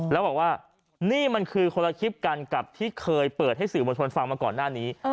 แล้วบอกว่านี่มันคือคนละคลิปกันกับที่เคยเปิดให้สื่อมวลชนฟังมาก่อนหน้านี้